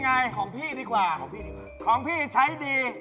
มันยังไม่เข้าผิวเข้าไม่